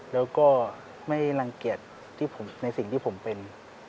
แล้วก็ไม่รังเกียจในสิ่งที่ผมเป็น